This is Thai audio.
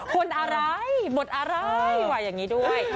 คนอะไรบทอะไรว่าอย่างนี้ด้วย